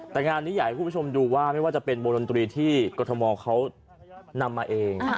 แต่งานนี้อยากให้คุณผู้ชมดูว่าไม่ว่าจะเป็นวงดนตรีที่กรทมเขานำมาเอง